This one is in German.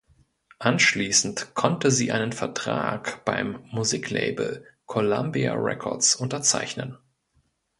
Anschließend konnte sie einen Vertrag beim Musiklabel Columbia Records unterzeichnen.